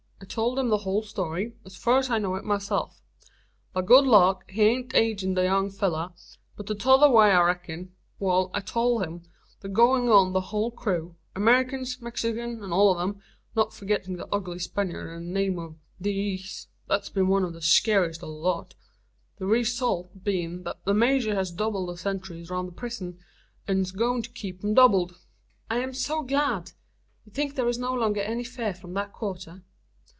I tolt him the hul story, as fur's I know it myself. By good luck he ain't agin the young fellur, but the tother way I reck'n. Wal, I tolt him o' the goin's on o' the hul crew Amerikins, Mexikins, an all o' them not forgettin' thet ugly Spanyard o' the name o' Dee ez, thet's been one o' the sarciest o' the lot. The ree sult's been thet the major hez doubled the sentries roun' the prison, an's goin' to keep 'em doubled." "I am so glad! You think there is no longer any fear from that quarter?"